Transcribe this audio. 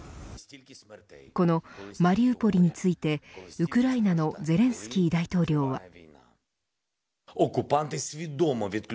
このマリウポリについてウクライナのゼレンスキー大統領は。